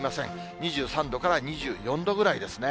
２３度から２４度ぐらいですね。